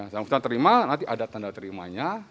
sangkutan terima nanti ada tanda terimanya